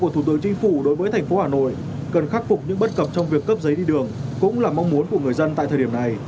thủ tướng chính phủ đối với thành phố hà nội cần khắc phục những bất cập trong việc cấp giấy đi đường cũng là mong muốn của người dân tại thời điểm này